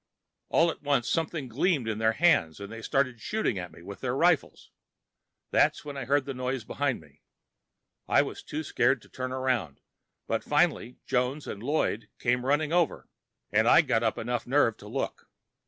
All at once, something gleamed in their hands, and they started shooting at me with their rifles. That's when I heard the noise behind me. I was too scared to turn around, but finally Jones and Lloyd came running over, and I got up enough nerve to look.